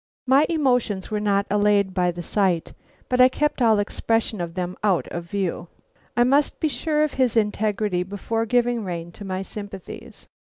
My emotions were not allayed by the sight; but I kept all expression of them out of view. I must be sure of his integrity before giving rein to my sympathies.